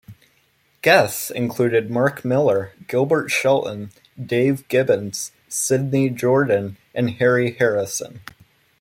Guests included Mark Millar, Gilbert Shelton, Dave Gibbons, Sydney Jordan, and Harry Harrison.